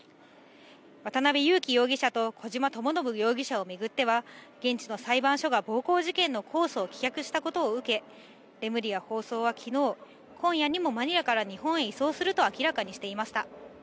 渡辺優樹容疑者と小島智信容疑者を巡っては、現地の裁判所が暴行事件の公訴を棄却したことを受け、レムリヤ法相はきのう、今夜にもマニラから日本へ移送すると明らかにしていました。